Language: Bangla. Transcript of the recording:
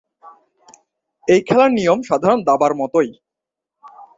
এই খেলার নিয়ম সাধারণ দাবার মতোই।